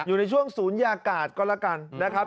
อยู่ในช่วงศูนยากาศก็แล้วกันนะครับ